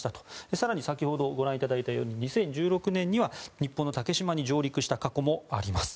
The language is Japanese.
更に先ほどご覧いただいたように２０１６年には日本の竹島に上陸した過去もあります。